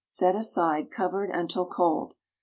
Set aside, covered, until cold.